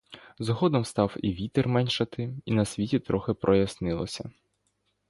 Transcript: Згодом став і вітер меншати, і на світі трохи прояснилося.